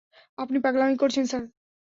আপনি পাগলামি করছেন, স্যার!